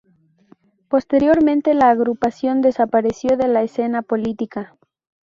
Posteriormente la agrupación desapareció de la escena política.